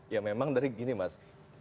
ya memang dari gini mas